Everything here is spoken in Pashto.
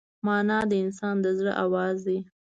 مانا د انسان د زړه آواز دی.